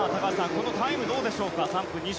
このタイムどうでしょうか。